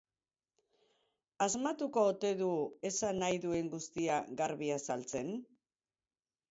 Asmatuko ote du esan nahi duen guztia garbi azaltzen?